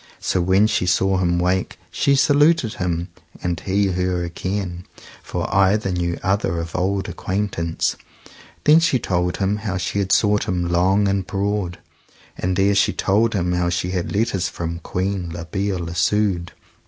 So when she saw him wake she saluted him, and he her again, for either knew other of old acquaintance; then she told him how she had sought him long and broad, and there she told him how she had letters from Queen La Beale Isoud.